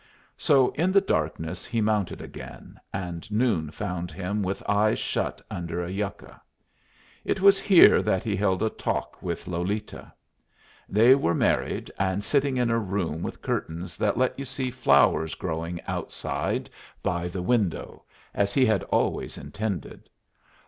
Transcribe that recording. So in the darkness he mounted again, and noon found him with eyes shut under a yucca. It was here that he held a talk with Lolita. They were married, and sitting in a room with curtains that let you see flowers growing outside by the window, as he had always intended.